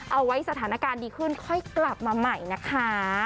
เอาไว้สถานการณ์ดีขึ้นค่อยกลับมาใหม่นะคะ